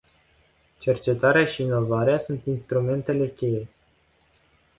Cercetarea și inovarea sunt instrumentele cheie.